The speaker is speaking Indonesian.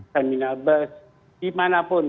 terminal bus dimanapun